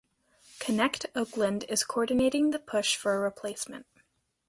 ConnectOakland is coordinating the push for a replacement.